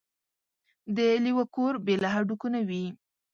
ـ د لېوه کور بې له هډوکو نه وي.